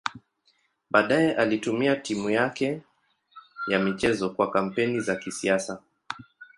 Baadaye alitumia timu yake ya michezo kwa kampeni za kisiasa.